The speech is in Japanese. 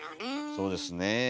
そうですね。